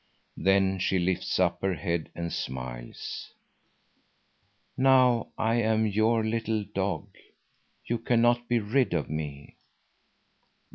Then she lifts up her head and smiles: "Now I am your little dog. You cannot be rid of me."